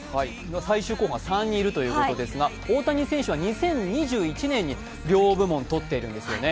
最終候補が３人いるということなんですが大谷選手は２０２１年に両部門取っているんですよね。